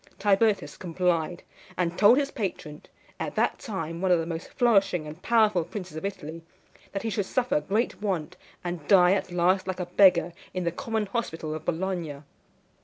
Tibertus complied, and told his patron, at that time one of the most flourishing and powerful princes of Italy, that he should suffer great want, and die at last like a beggar in the common hospital of Bologna.